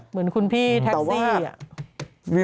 เหมือนคุณพี่แท็กซี่อะ